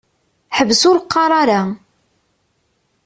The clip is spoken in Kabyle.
Ḥbes ur qqaṛ ara!